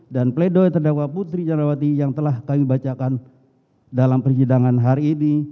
dan peledai terdakwa putri candrawati yang telah kami bacakan dalam perjadangan hari ini